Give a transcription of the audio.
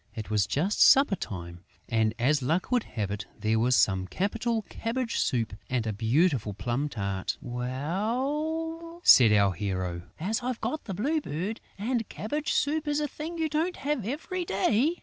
It was just supper time and, as luck would have it, there was some capital cabbage soup and a beautiful plum tart. "Well," said our hero, "as I've got the Blue Bird!... And cabbage soup is a thing you don't have every day!..."